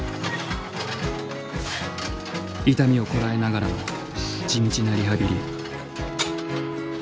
痛みをこらえながらの地道なリハビリ。